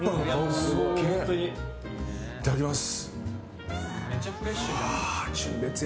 いただきます。